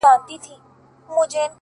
ماته خوښي راكوي؛